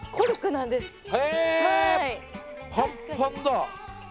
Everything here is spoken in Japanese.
へえパンパンだ。